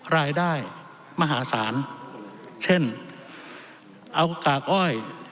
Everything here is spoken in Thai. รายได้มหาศาลเช่นเอากากอ้อย